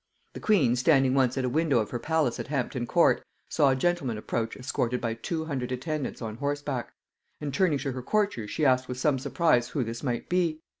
The queen, standing once at a window of her palace at Hampton court, saw a gentleman approach escorted by two hundred attendants on horseback; and turning to her courtiers, she asked with some surprise, who this might be?